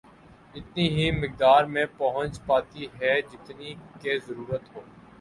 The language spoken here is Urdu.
اتنی ہی مقدار میں پہنچ پاتی ہے جتنی کہ ضرورت ہو